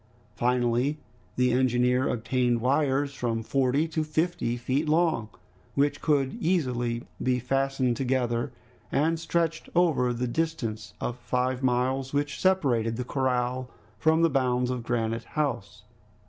Finally, the engineer obtained wires from forty to fifty feet long, which could be easily fastened together and stretched over the distance of five miles, which separated the corral from the bounds of Granite House.